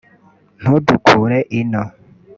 ntudukure ino